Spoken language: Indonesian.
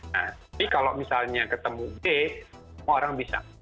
nah jadi kalau misalnya ketemu b semua orang bisa